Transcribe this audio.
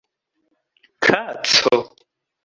kaco